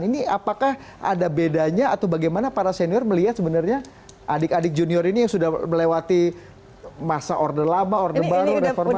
ini apakah ada bedanya atau bagaimana para senior melihat sebenarnya adik adik junior ini yang sudah melewati masa order lama orde baru reformasi